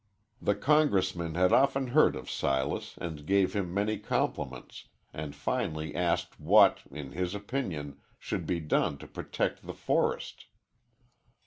The Congressman had often heard of Silas and gave him many compliments, and finally asked what, in his opinion, should be done to protect the forest.